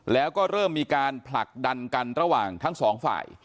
แล้วก็เริ่มมีการผลักดันกันระหว่างทั้งสองฝ่าย